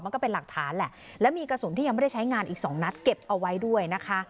ก็เป็นหลักฐานแหละแล้วมีกระสุนที่ยังไม่ได้ใช้งานอีกสองนัดเก็บเอาไว้ด้วยนะคะ